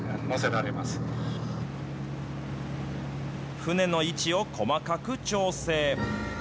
船の位置を細かく調整。